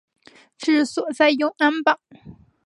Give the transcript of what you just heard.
治所在永安堡。